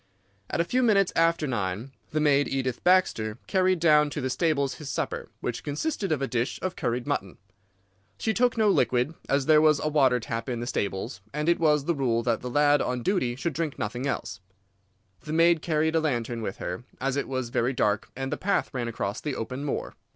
At a few minutes after nine the maid, Edith Baxter, carried down to the stables his supper, which consisted of a dish of curried mutton. She took no liquid, as there was a water tap in the stables, and it was the rule that the lad on duty should drink nothing else. The maid carried a lantern with her, as it was very dark and the path ran across the open moor.